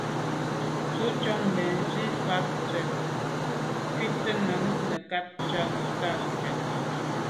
Ntù njon bènzwi fa tshwèt nkwate num nekag nà tshwèt.